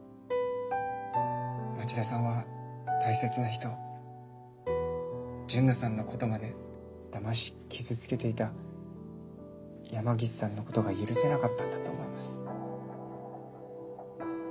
町田さんは大切な人純奈さんの事までだまし傷つけていた山岸さんの事が許せなかったんだと思います。